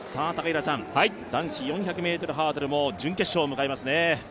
男子４００ｍハードルも準決勝を迎えますね。